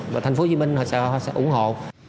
và thành phố hồ chí minh họ sẽ ủng hộ